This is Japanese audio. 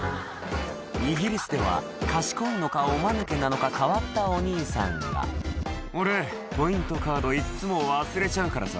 イギリスでは賢いのかおマヌケなのか変わったお兄さんが「俺ポイントカードいっつも忘れちゃうからさ